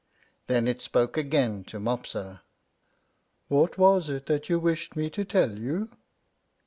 Then it spoke again to Mopsa: "What was it that you wished me to tell you?"